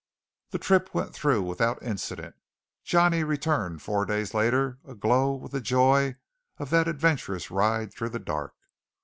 The trip went through without incident. Johnny returned four days later aglow with the joy of that adventurous ride through the dark.